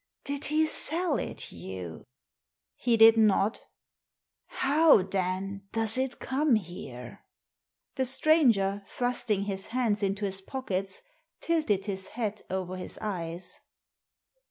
"Did he sell it you?" " He did not" " How, then, does it come here?" The stranger, thrusting his hands into his pockets, tilted his hat over his eyes.